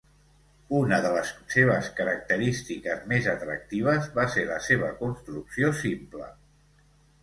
Una de les seves característiques més atractives va ser la seva construcció simple.